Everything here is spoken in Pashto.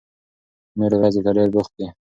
نورې ورځې ته ډېر بوخت يې.